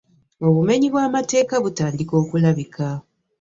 Obumenyi bw'amateeka butandika okulabika.